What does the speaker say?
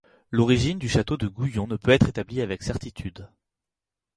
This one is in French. L'origine du château de Gouillon ne peut être établie avec certitude.